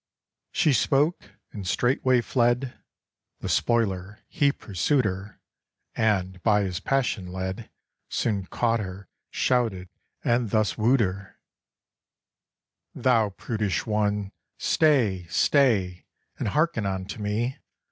She spoke, and straightway fled The spoiler, he pursued her, And, by his passion led, Soon caught her, shouted, and thus wooed her: "Thou prudish one, stay, stay! And hearken unto me!